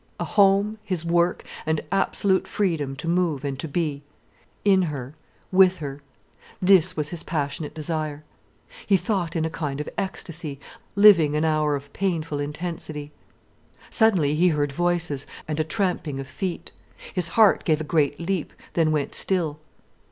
A home, his work, and absolute freedom to move and to be, in her, with her, this was his passionate desire. He thought in a kind of ecstasy, living an hour of painful intensity. Suddenly he heard voices, and a tramping of feet. His heart gave a great leap, then went still.